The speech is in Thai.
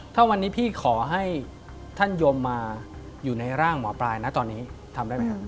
ถ้าวันนี้พี่ขอให้ท่านโยมมาอยู่ในร่างหมอปลายนะตอนนี้ทำได้ไหมครับ